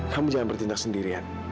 kamu jangan bertindak sendirian